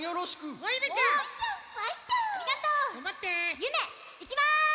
ゆめいきます！